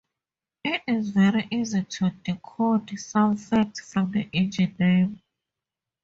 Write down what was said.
It is very easy to decode some facts from the engine name.